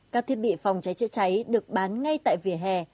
các thiết bị phòng cháy chữa cháy được bán ngay tại vỉa hè